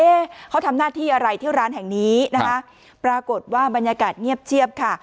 เขาทำหน้าที่อะไรที่ร้านแห่งนี้นะคะปรากฏว่าบรรยากาศเงียบเชียบค่ะ